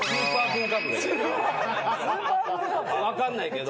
分かんないけど。